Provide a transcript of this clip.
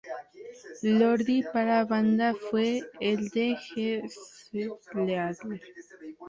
Lordi para la banda fue el de G-Stealer.